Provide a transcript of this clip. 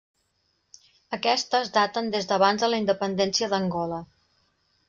Aquestes daten des d'abans de la independència d'Angola.